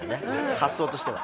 発想としては。